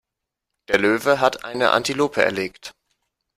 Der Löwe hat eine Antilope erlegt.